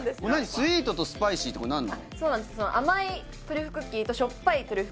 スイートとスパイシーってこれ何なの？